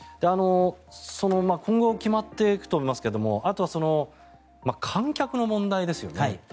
今後決まっていくと思いますがあとは観客の問題ですよね。